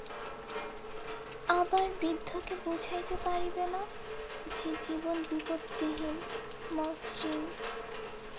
আবার বৃদ্ধকে বুঝাইতে পারিবে না যে, জীবন বিপত্তিহীন, মসৃণ।